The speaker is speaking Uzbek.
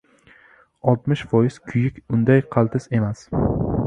— Oltmish foiz kuyik unday qaltis emas...